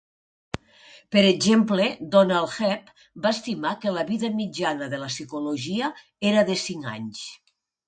Per exemple, Donald Hebb va estimar que la vida mitjana de la psicologia era de cinc anys.